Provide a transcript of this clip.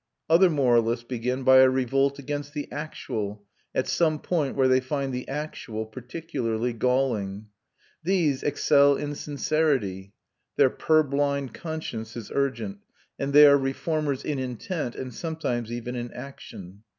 Other moralists begin by a revolt against the actual, at some point where they find the actual particularly galling. These excel in sincerity; their purblind conscience is urgent, and they are reformers in intent and sometimes even in action.